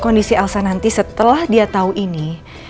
kondisi elsa nanti setelah dia tahu ini